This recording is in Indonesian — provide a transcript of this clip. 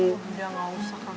udah gak usah kak